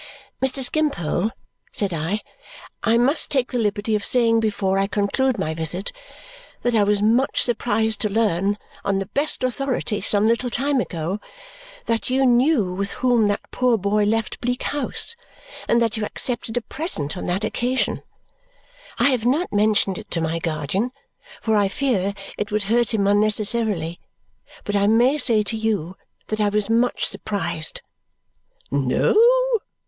"Mr. Skimpole," said I, "I must take the liberty of saying before I conclude my visit that I was much surprised to learn, on the best authority, some little time ago, that you knew with whom that poor boy left Bleak House and that you accepted a present on that occasion. I have not mentioned it to my guardian, for I fear it would hurt him unnecessarily; but I may say to you that I was much surprised." "No?